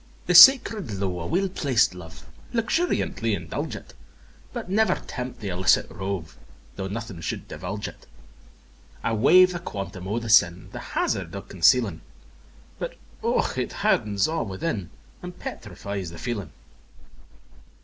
VI. The sacred lowe o' weel plac'd love, Luxuriantly indulge it; But never tempt th' illicit rove, Tho' naething should divulge it: I waive the quantum o' the sin, The hazard of concealing; But, och! it hardens a' within, And petrifies the feeling!